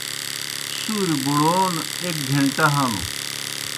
سُوریْ بُڑَون ایْک گھنٹہ ہنوْ۔